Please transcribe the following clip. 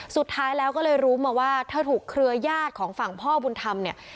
สุดท้ายแล้วก็เลยรู้มาว่าเธอถูกเครือญาติของฝั่งพ่อบุญธรรมเนี่ย